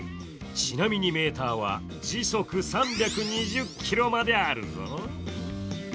ちなみにメーターは時速３２０キロまであるぞ。